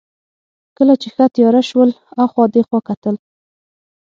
کله چې ښه تېاره شول، اخوا دېخوا کتل.